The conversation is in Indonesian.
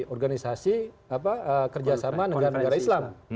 organisasi kerjasama negara negara islam